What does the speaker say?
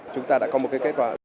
chúng ta đã có một cái kết quả